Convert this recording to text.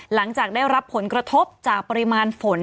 หลังจากได้รับผลกระทบจากปริมาณฝน